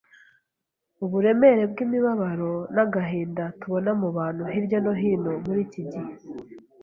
Uburemere bw’imibabaro n’agahinda tubona mu bantu hirya no hino muri iki gihe